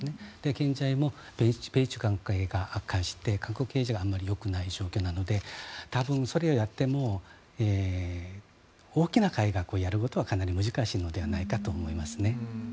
現在も米中関係が悪化して韓国経済があまりよくない状況なので多分それをやっても大きな改革をやることはかなり難しいのではないかと思います。